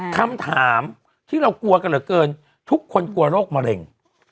คำถามที่เรากลัวกันเหลือเกินทุกคนกลัวโรคมะเร็ง